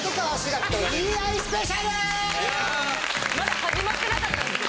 まだ始まってなかったんですね。